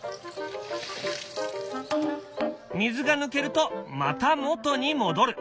水が抜けるとまた元に戻る。